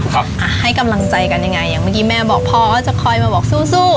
อ่ะให้กำลังใจกันยังไงอย่างเมื่อกี้แม่บอกพ่อก็จะคอยมาบอกสู้สู้